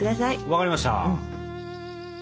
分かりました。